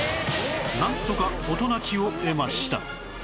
なんとか事なきを得ました